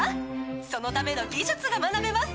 そのための技術が学べます。